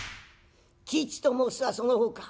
「吉と申すはその方か。